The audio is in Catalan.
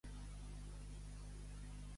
En veritat era un sant?